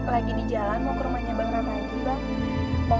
lagi di jalan mau ke rumahnya beneran lagi bang